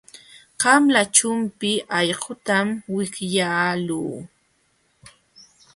Qanla chumpi allqutam wipyaaluu.